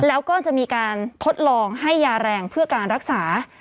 แล้วก็จะมีการทดลองให้ยาแรงเพื่อการรักษา